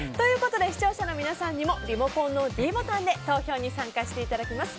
視聴者の皆さんにもリモコンのｄボタンで投票に参加していただきます。